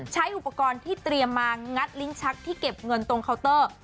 ใช้อุปกรณ์ที่เตรียมมางัดลิ้นชักที่เก็บเงินตรงเคาน์เตอร์